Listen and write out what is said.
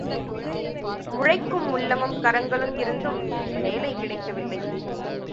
உழைக்கும் உள்ளமும், கரங்களும் இருந்தும் வேலை கிடைக்கவில்லை.